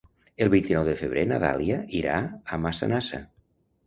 El vint-i-nou de febrer na Dàlia irà a Massanassa.